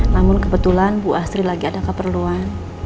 namun kebetulan bu asri lagi ada keperluan